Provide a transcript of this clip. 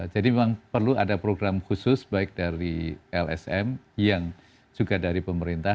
jadi memang perlu ada program khusus baik dari lsm yang juga dari pemerintah